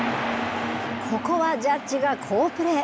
ここはジャッジが好プレー。